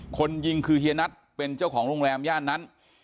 คนยิงคือเฮียนัทเป็นเจ้าของโรงแรมย่านนั้น